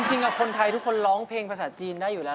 จริงคนไทยทุกคนร้องเพลงภาษาจีนได้อยู่แล้ว